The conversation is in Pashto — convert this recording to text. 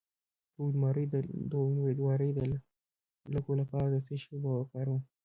د امیدوارۍ د لکو لپاره د څه شي اوبه وکاروم؟